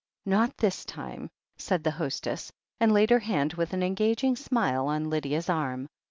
"Not this time," said the hostess, and laid her hand with an engaging smile on Lydia's arm.